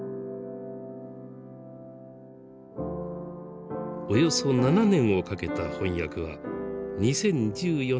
およそ７年をかけた翻訳は２０１４年に完成。